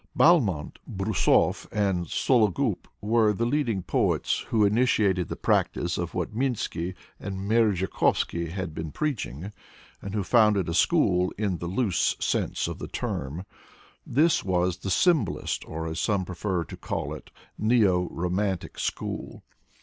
Balmont, Brusov and Sologub were the leading poets who initiated the practice of what Minsky and Merezh kovsky had been preaching, and who founded a school, in the loose sense of the term. This was the symbolist, or as some prefer to call it, neo romantic school.